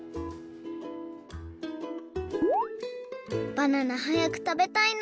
バナナはやくたべたいな。